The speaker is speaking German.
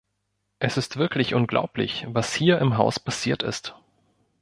Es ist wirklich unglaublich, was hier im Haus passiert ist.